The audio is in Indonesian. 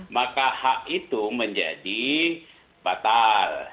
maka hak itu menjadi batal